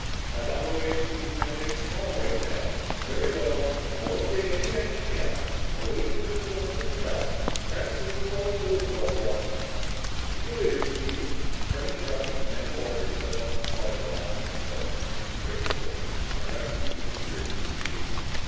"I'm on my way over to the examination hall right now." "Very well. I won't take any action yet. I'll wait for the results of the tests. Perhaps they will solve both our problems. See you later, Steve." Turning abruptly, Commander Walters stepped off the slidewalk onto the steps of the Administration Building and rapidly disappeared from view.